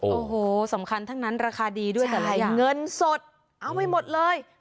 โอ้โหสำคัญทั้งนั้นราคาดีด้วยเงินสดเอาไปหมดเลย